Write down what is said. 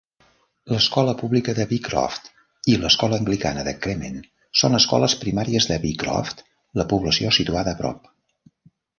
L'escola pública de Beecroft i l'escola anglicana de Cremen són escoles primàries de Beecroft, la població situada a prop.